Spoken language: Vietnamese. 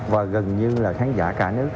và gần như là khán giả cả nước